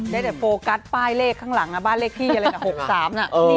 ได้แต่โฟกัสป้ายเลขข้างหลังนะบ้านเลขที่อะไรนะ๖๓น่ะ